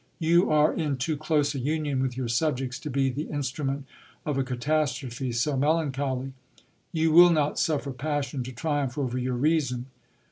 You are in too close a union with your subjects to be the instrument of a catastrophe so melancholy. You will not suffer passion to triumph over your reason.